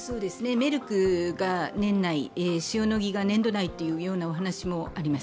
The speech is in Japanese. メルクが塩野義が年度内というお話もあります。